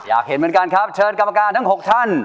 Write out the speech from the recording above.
อยากเห็นเหมือนกันครับเชิญกรรมการทั้ง๖ท่าน